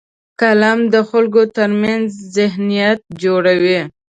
قلم د خلکو ترمنځ ذهنیت جوړوي